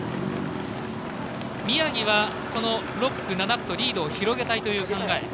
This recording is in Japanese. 宮城は６区、７区とリードを広げたいという考え。